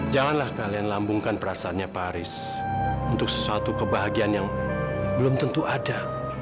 janganlah kalian lambungkan perasaannya paris untuk sesuatu kebahagiaan yang belum tentu ada